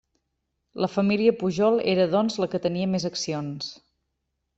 La família Pujol era doncs, la que tenia més accions.